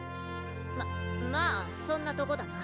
ままあそんなとこだな。